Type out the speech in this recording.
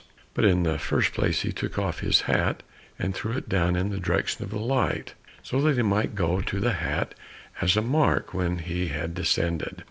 But in the first place he took off his hat and threw it down in the direction of the light, so that he might go to the hat as a mark when he had descended.